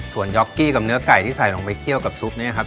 ส่วนยอกกี้กับเนื้อไก่ที่ใส่ลงไปเคี่ยวกับซุปเนี่ยครับ